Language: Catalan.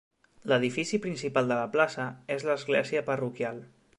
L'edifici principal de la plaça és l'església parroquial.